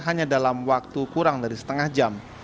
hanya dalam waktu kurang dari setengah jam